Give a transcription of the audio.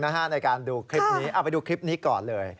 ในการดูคลิปนี้เอาไปดูคลิปนี้ก่อนเลย